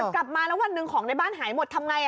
กลับมาแล้ววันหนึ่งของในบ้านหายหมดทำไง